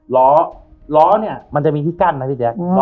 ล้อล้อเนี่ยมันจะมีที่กั้นนะพี่แจ๊ค